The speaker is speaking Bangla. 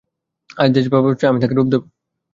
আজ দেশ যা ভাবছে আমি তাকে রূপ দেব।